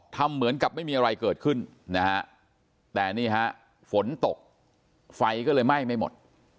ทำเหมือนกับไม่มีอะไรเกิดขึ้นนะฮะแต่นี่ฮะฝนตกไฟก็เลยไหม้ไม่หมด